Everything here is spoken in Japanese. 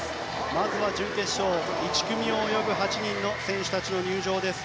まずは準決勝１組を泳ぐ８人の選手の入場です。